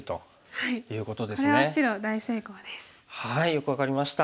よく分かりました。